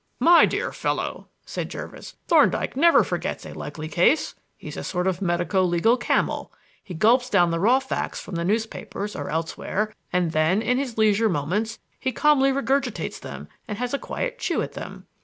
"My dear fellow," said Jervis, "Thorndyke never forgets a likely case. He is a sort of medico legal camel. He gulps down the raw facts from the newspapers or elsewhere, and then, in his leisure moments, he calmly regurgitates them and has a quiet chew at them.